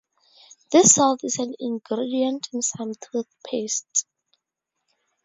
This salt is an ingredient in some toothpastes.